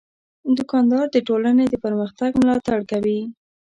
دوکاندار د ټولنې د پرمختګ ملاتړ کوي.